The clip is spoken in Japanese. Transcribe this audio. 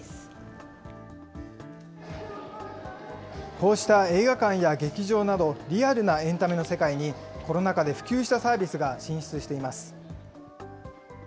こうした映画館や劇場など、リアルなエンタメの世界にコロナ禍で普及したサービスが進出しています。